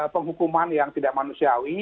penghukuman yang tidak manusiawi